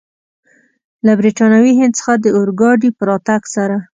له برټانوي هند څخه د اورګاډي په راتګ سره.